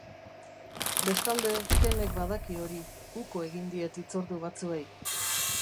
Bestalde, Kenek badaki hori, uko egin diet hitzordu batzuei.